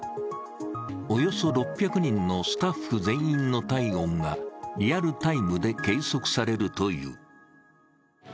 およそ６００人のスタッフ全員の体温がリアルタイムで計測されるという。